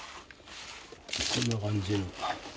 こんな感じ。